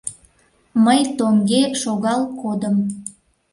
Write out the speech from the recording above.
Мый тоҥге шогал кодым.